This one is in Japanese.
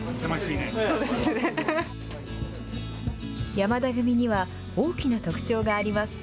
山田組には大きな特徴があります。